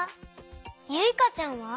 ゆいかちゃんは？